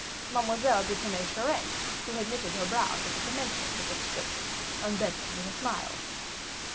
Mademoiselle de Tonnay Charente, who had slightly knitted her brows at the commencement of the description, unbent them with a smile.